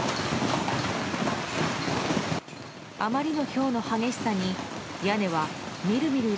あまりのひょうの激しさに屋根はみるみる